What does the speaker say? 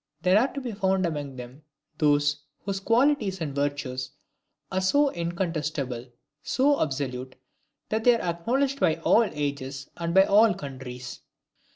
There are to be found among them those whose qualities and virtues are so incontestable, so absolute, that they are acknowledged by all ages, and by all countries.